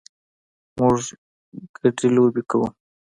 موږ ګډه لوبې کوو